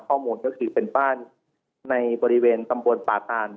ก็คือเป็นบ้านในบริเวณตำบวนป่าตาน